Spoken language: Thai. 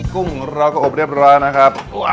กุ้งเราก็อบเรียบร้อยนะครับ